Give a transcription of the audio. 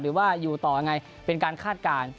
หรือว่าอยู่ต่อยังไงเป็นการคาดการณ์